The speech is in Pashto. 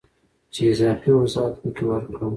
چې اضافي وضاحت پکې ورکړم